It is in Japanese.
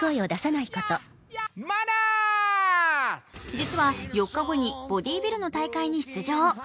実は４日後にボディビルの大会に出場。